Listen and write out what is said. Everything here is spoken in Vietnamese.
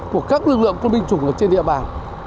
của các lực lượng quân binh chủng trên địa bàn